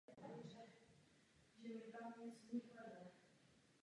První dva bloky už bezpečně a efektivně pracují.